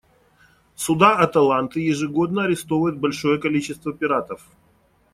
Суда «Аталанты» ежегодно арестовывают большое количество пиратов.